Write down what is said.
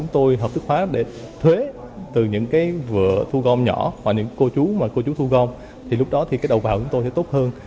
thì lúc đó thì cái đầu vào của chúng tôi sẽ tốt hơn